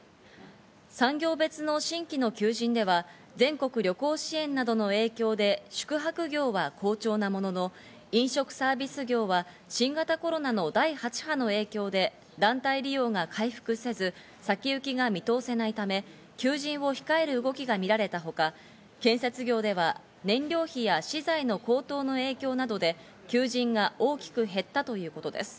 産業別の新規の求人では、全国旅行支援などの影響で宿泊業は好調なものの、飲食サービス業は新型コロナの第８波の影響で団体利用が回復せず先行きが見通せないため、求人を控える動きがみられたほか、建設業では燃料費や資材の高騰の影響などで求人が大きく減ったということです。